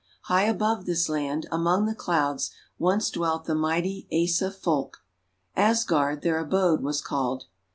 High above this land, among the clouds, once dwelt the mighty Asa Folk. Asgard, their abode was called.